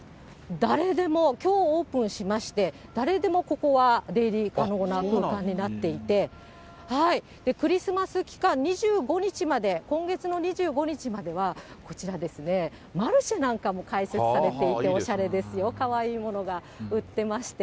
誰でも、きょうオープンしまして、誰でもここは出入り可能な空間になっていて、クリスマス期間、２５日まで、今月の２５日までは、こちらですね、マルシェなんかも開設されていて、おしゃれですよ、かわいいものが売ってまして。